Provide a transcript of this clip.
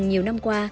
nhiều năm qua